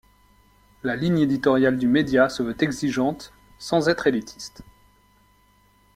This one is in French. La ligne éditoriale du média se veut exigeante sans être élitiste.